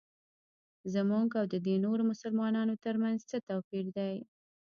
زموږ او ددې نورو مسلمانانو ترمنځ څه توپیر دی.